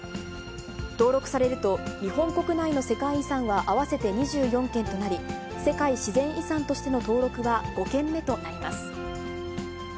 登録されると、日本国内の世界遺産は合わせて２４件となり、世界自然遺産としての登録は５件目となります。